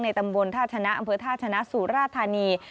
ตำบลท่าชนะอำเภอท่าชนะสุราธานี